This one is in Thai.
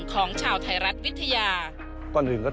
ก่อนถึงก็ต้องขอขอบพระคุณ